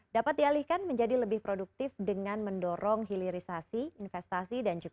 dapat dialihkan menjadi lebih baik